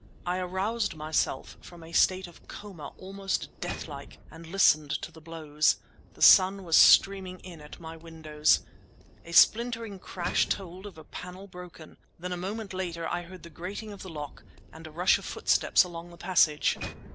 I aroused myself from a state of coma almost death like and listened to the blows. The sun was streaming in at my windows. A splintering crash told of a panel broken. Then a moment later I heard the grating of the lock, and a rush of footsteps along the passage.